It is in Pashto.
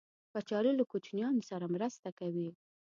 کچالو له کوچنیانو سره مرسته کوي